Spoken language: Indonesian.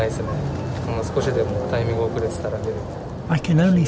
jika saya berhenti saya akan terlalu lambat